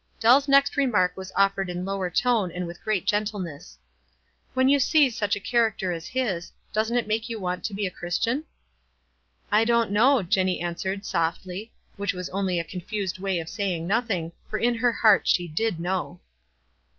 Dell's next remark was offered in lower tone and with great gentleness. M When you see such a character as his, doesn't it make you want to be a Christian?" "I don't know," Jenny answered, softly, which was only a confused way of saying noth ing, for in her heart she did know."